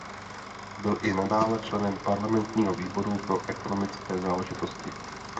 Byl i nadále členem parlamentního výboru pro ekonomické záležitosti.